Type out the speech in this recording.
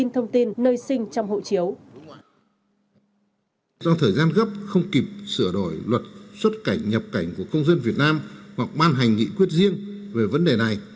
do thời gian gấp không kịp sửa đổi luật xuất cảnh nhập cảnh của công dân việt nam hoặc ban hành nghị quyết riêng về vấn đề này